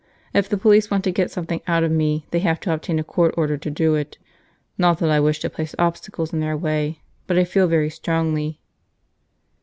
If the police want to get something out of me they have to obtain a court order to do it. Not that I wish to place obstacles in their way but I feel very strongly